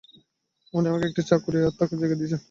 উনি আমাকে একটা চাকরি আর থাকার জায়গা দিয়েছেন।